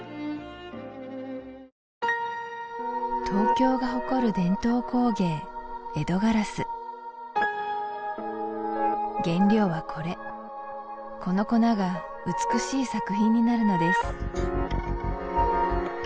東京が誇る伝統工芸江戸硝子原料はこれこの粉が美しい作品になるのです